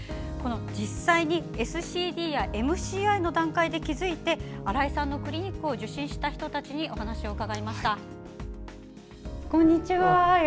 実際に、ＳＣＤやＭＣＩの段階で気付いて新井さんのクリニックを受診した人たちにお話を伺いました。